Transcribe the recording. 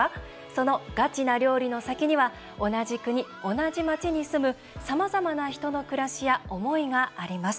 そのガチな料理の先には同じ国、同じ街に住むさまざまな人の暮らしや思いがあります。